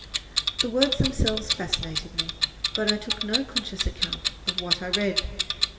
The words themselves fascinated me; but I took no conscious account of what I read.